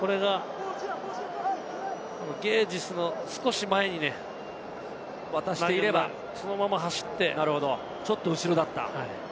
これがゲージスの少し前に渡していればそのまま走って、ちょっと後ろだった。